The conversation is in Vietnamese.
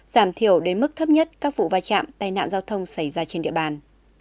giảm thiểu đến mức thấp nhất các vụ vai trạm tai nạn giao thông xảy ra trên địa bàn